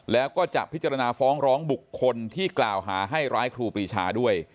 แล้วก็จะพิจารณาฟ้องร้องบุคคลที่กล่าวหาให้ร้ายครูปรีชาด้วย